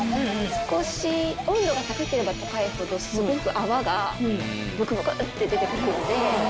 少し温度が高ければ高いほどすごく泡がブクブクって出てくるので。